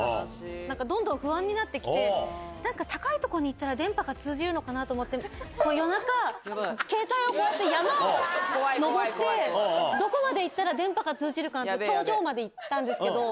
どんどん不安になってきて、なんか高い所に行ったら電波が通じるのかなと思って、夜中、携帯をこうやって山を登って、どこまで行ったら電波が通じるかなって、頂上まで行ったんですけど。